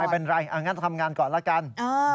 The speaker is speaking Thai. ไม่เป็นไรงั้นทำงานก่อนละกัน